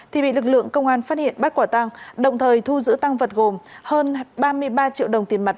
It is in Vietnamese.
thì bị lực lượng công an phát hiện bắt quả tăng đồng thời thu giữ tăng vật gồm hơn ba mươi ba triệu đồng tiền mặt